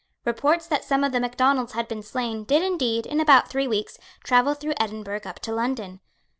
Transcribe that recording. Reports that some of the Macdonalds had been slain did indeed, in about three weeks, travel through Edinburgh up to London.